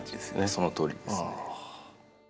そのとおりですね。